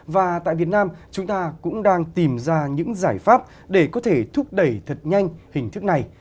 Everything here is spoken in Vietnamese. và tại việt nam chúng ta cũng đang tìm ra những giải pháp để có thể thúc đẩy thật nhanh hình thức này